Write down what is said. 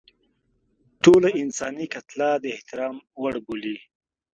ټوله انساني کتله د احترام وړ بولي.